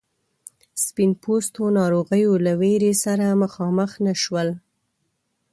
سپین پوستو ناروغیو له ویرې سره مخامخ نه شول.